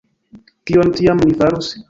Kion tiam ni farus?